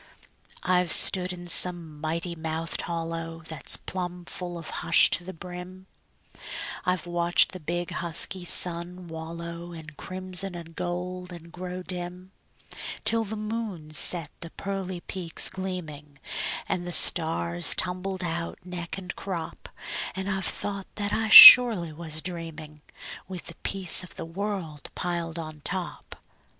I've stood in some mighty mouthed hollow That's plumb full of hush to the brim; I've watched the big, husky sun wallow In crimson and gold, and grow dim, Till the moon set the pearly peaks gleaming, And the stars tumbled out, neck and crop; And I've thought that I surely was dreaming, With the peace o' the world piled on top.